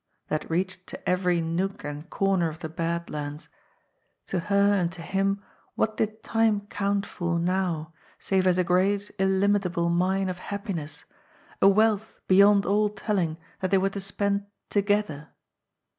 that reached to every nook and corner of the Bad Lands to her and to him what did time count for now, save as a great, illimitable mine of happiness, a wealth beyond all telling that they were to spend together!